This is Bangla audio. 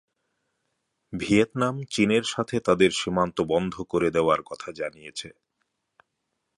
ভিয়েতনাম চীনের সাথে তাদের সীমান্ত বন্ধ করে দেওয়ার কথা জানিয়েছে।